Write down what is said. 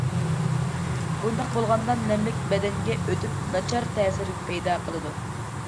بۇنداق بولغاندا، نەملىك بەدەنگە ئۆتۈپ ناچار تەسىر پەيدا قىلىدۇ.